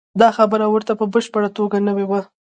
دا خبره ورته په بشپړه توګه نوې وه.